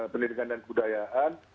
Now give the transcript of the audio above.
pendidikan dan kebudayaan